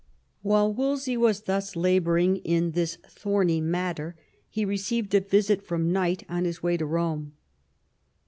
While Wolsey was thus labouring in this thorny matter, he received a visit from Knight on his way to Eome.